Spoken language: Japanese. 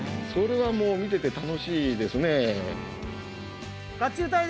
それはもう見てて楽しいですね。